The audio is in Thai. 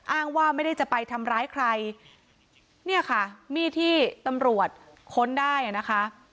อ้างว่าไม่ได้จะไปทำร้ายใครเนี่ยค่ะมีดที่ตำรวจค้นได้อ่ะนะคะ